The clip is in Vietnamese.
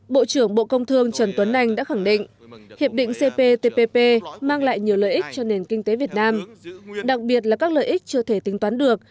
bộ trưởng bộ công thương trần tuấn anh đã khẳng định hiệp định cptpp mang lại nhiều lợi ích cho nền kinh tế việt nam đặc biệt là các lợi ích chưa thể tính toán được